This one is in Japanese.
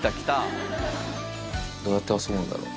どうやって遊ぶんだろう。